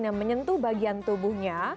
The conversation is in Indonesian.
yang menyentuh bagian tubuhnya